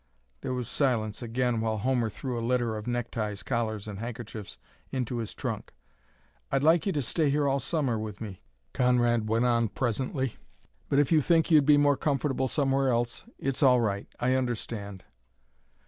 There was silence again while Homer threw a litter of neckties, collars, and handkerchiefs into his trunk. "I'd like you to stay here all Summer with me," Conrad went on presently, "but if you think you'd be more comfortable somewhere else, it's all right. I understand."